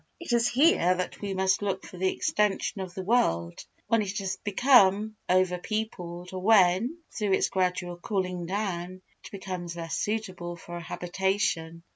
It is here that we must look for the extension of the world when it has become over peopled or when, through its gradual cooling down, it becomes less suitable for a habitation.